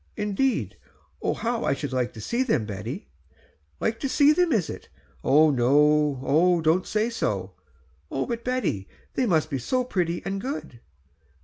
"Indeed! oh how I should like to see them, Betty." "Like to see them, is it? Oh, don't say so." "Oh but Betty, they must be so pretty and good."